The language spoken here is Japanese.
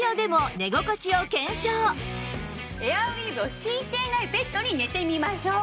エアウィーヴを敷いていないベッドに寝てみましょう。